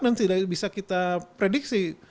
dan tidak bisa kita prediksi